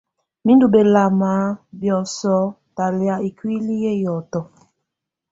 Mɛ ndù bɛlama biɔsɔ talɛ̀á ikuili yɛ hiɔtɔ.